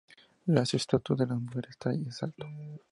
El estatus de las mujeres tai es alto.